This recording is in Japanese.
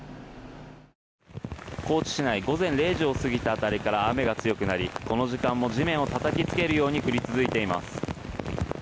高知市内午前０時を過ぎた辺りから雨が強くなり、この時間も地面をたたきつけるように降り続けています。